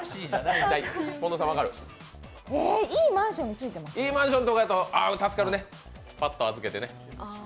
いいマンションだと助かるね、パッと預けてね。